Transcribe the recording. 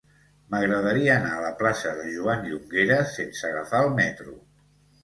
M'agradaria anar a la plaça de Joan Llongueras sense agafar el metro.